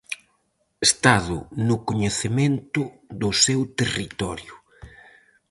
Estado no coñecemento do seu territorio.